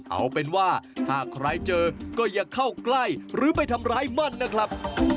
เอาเป็นว่าหากใครเจอก็อย่าเข้าใกล้หรือไปทำร้ายมันนะครับ